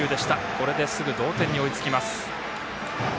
これですぐ同点に追いつきます。